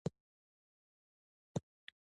تالنده او برېښنا خطرناک دي؟